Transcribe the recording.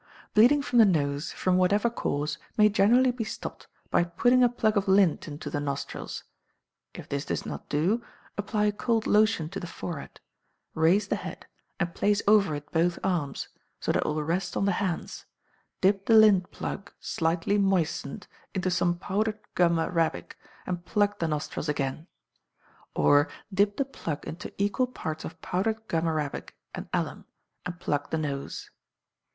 Bleeding from the nose, from whatever cause, may generally be stopped by putting a plug of lint into the nostrils, if this does not do, apply a cold lotion to the forehead; raise the head, and place over it both arms, so that it will rest on the hands; dip the lint plug, slightly moistened, into some powdered gum arabic, and plug the nostrils again; or dip the plug into equal parts of powdered gum arabic and alum, and plug the nose.